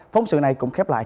phóng sự này cũng khép lại